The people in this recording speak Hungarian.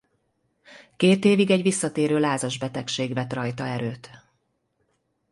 Két évig egy visszatérő lázas betegség vett rajta erőt.